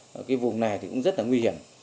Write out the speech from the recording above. cái vùng này thì cũng rất là nguy hiểm